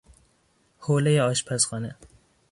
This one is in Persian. حوله آشپزخانه